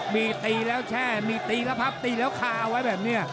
มีตีแล้วแช่มีตีแล้วพับตีแล้วคาเอาไว้แบบนี้